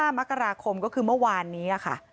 มกราคมก็คือเมื่อวานนี้ค่ะ